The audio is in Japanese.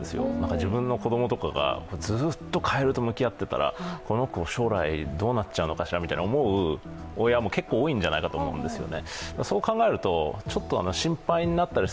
自分の子供とかがずっとかえると向き合ってたら、この子、将来どうなっちゃうのかしらと思う親も多いんじゃないかと思うんですね。